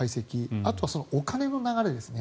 あとはお金の流れですね。